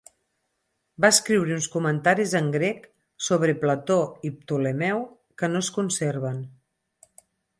Va escriure uns comentaris en grec sobre Plató i Ptolemeu que no es conserven.